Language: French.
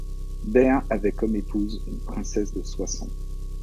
Berr avait comme épouse une princesse de Soissons.